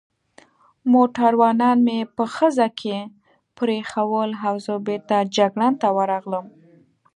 موټروانان مې په خزه کې پرېښوول او زه بېرته جګړن ته ورغلم.